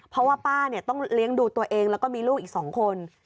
เพราะว่าป้าต้องเลี้ยงดูตัวเองแล้วก็มีลูกอีก๒คน